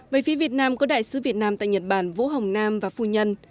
về phía việt nam có đại sứ việt nam tại nhật bản vũ hồng nam và phu nhân